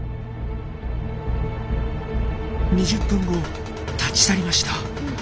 ２０分後立ち去りました。